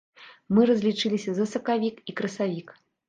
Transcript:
Мы разлічыліся за сакавік і красавік.